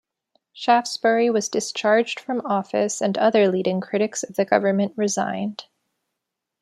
Shaftesbury was discharged from office and other leading critics of the government resigned.